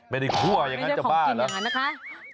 ไม่ได้คั่วอย่างนั้นจะบ้าแล้วไม่ใช่ของกินอย่างนั้นนะคะ